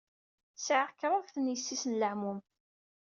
Sɛiɣ kraḍt n yessi-s n leɛmum.